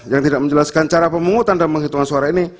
yang tidak menjelaskan cara pemungutan dan penghitungan suara ini